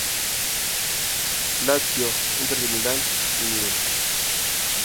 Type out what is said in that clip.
Lazio, Inter de Milán y Milan.